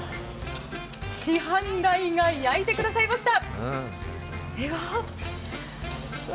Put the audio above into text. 師範代が焼いてくださいました。